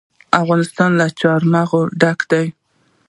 افغانستان له چار مغز ډک دی.